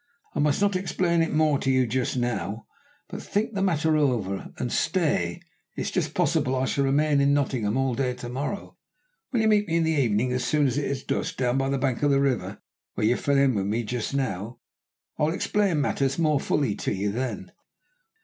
I must not explain it more to you just now, but just think the matter over; and stay, it's just possible I shall remain in Nottingham all to morrow. Will you meet me in the evening as soon as it is dusk, down by the bank of the river, where you fell in with me just now? I will explain matters more fully to you then."